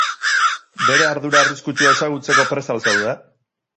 Bere ardura arriskutsua ezagutzeko prest al zaude?